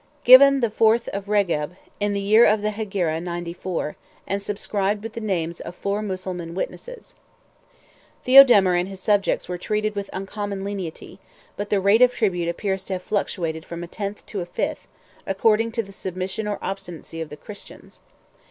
Given the fourth of Regeb, in the year of the Hegira ninety four, and subscribed with the names of four Mussulman witnesses." 186 Theodemir and his subjects were treated with uncommon lenity; but the rate of tribute appears to have fluctuated from a tenth to a fifth, according to the submission or obstinacy of the Christians.